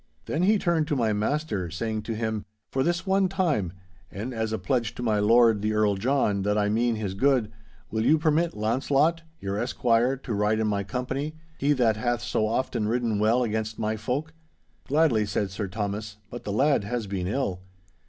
Then he turned to my master, saying to him, 'For this one time, and as a pledge to my Lord the Earl John that I mean his good, will you permit Launcelot, your esquire, to ride in my company—he that hath so oft ridden well against my folk?' 'Gladly,' said Sir Thomas, 'but the lad has been ill.